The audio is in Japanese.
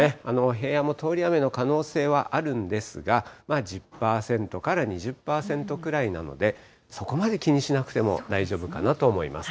平野も通り雨の可能性、あるんですが、１０％から２０％くらいなので、そこまで気にしなくても大丈夫かなと思います。